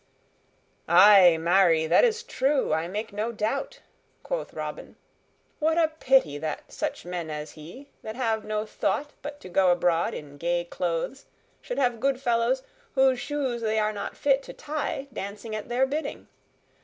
"Ay, marry, that is true, I make no doubt," quoth Robin. "What a pity that such men as he, that have no thought but to go abroad in gay clothes, should have good fellows, whose shoes they are not fit to tie, dancing at their bidding.